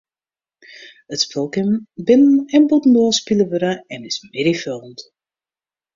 It spul kin binnen- en bûtendoar spile wurde en is middeifoljend.